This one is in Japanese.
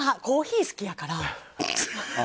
コーヒー好きやから。